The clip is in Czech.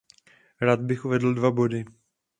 Rád bych uvedl dva body.